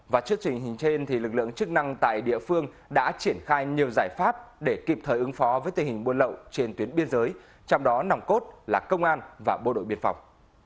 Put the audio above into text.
và trước trình hình trên lực lượng chức năng tại địa phương đã triển khai nhiều giải pháp để kịp thời ứng phó với tình hình buôn lậu trên tuyến biên giới trong đó nòng cốt là công an và bộ đội biên phòng